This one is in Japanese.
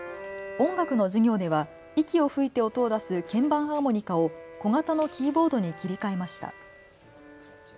音楽の授業では息を吹いて音を出す鍵盤ハーモニカを小型のキーボードに切り替えました。